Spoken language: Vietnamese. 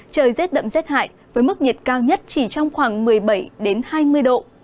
trời rất đậm rất hại với mức nhiệt cao nhất chỉ trong khoảng một mươi bảy đến hai mươi độ